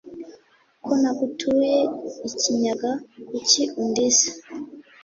Ko nagutuye ikinyaga, kuki undiza